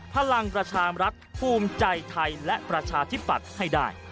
พลังประชามรัฐภูมิใจไทยและประชาธิปัตย์ให้ได้